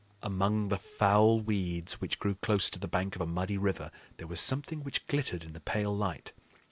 Among the foul weeds which grew close to the bank of a muddy river there was something which glittered in the pale light.